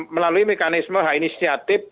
melalui mekanisme inisiatif